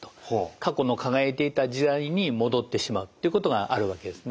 過去の輝いていた時代に戻ってしまうっていうことがあるわけですね。